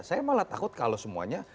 saya malah takut kalau semuanya